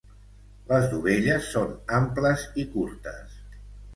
Les dovelles són amples i curtes.